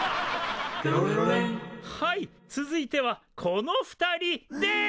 はい続いてはこの２人です。